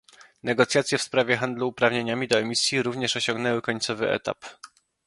Negocjacje w sprawie handlu uprawnieniami do emisji również osiągnęły końcowy etap